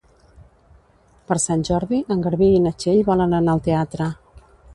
Per Sant Jordi en Garbí i na Txell volen anar al teatre.